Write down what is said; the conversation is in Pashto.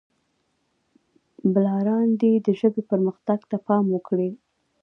پلاران دې د ژبې پرمختګ ته پام وکړي.